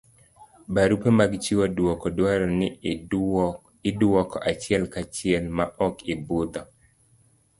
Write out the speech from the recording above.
barupe mag chiwo duoko dwaro ni iduoko achiel ka chiel ma ok ibudho